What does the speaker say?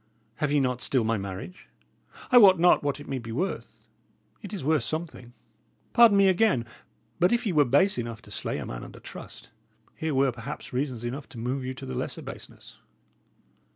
Have ye not still my marriage? I wot not what it may be worth it is worth something. Pardon me again; but if ye were base enough to slay a man under trust, here were, perhaps, reasons enough to move you to the lesser baseness."